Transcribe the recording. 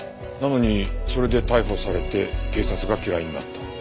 なのにそれで逮捕されて警察が嫌いになった。